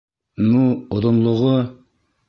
Ну... оҙонлоғо?